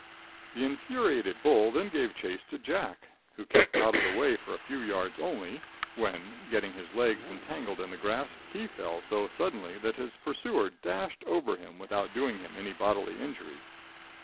The infuriated bull then gave chase to Jack, who kept out of the way for a few yards only, when, getting his legs entangled in the grass, he fell so suddenly that his pursuer dashed over him without doing him any bodily injury.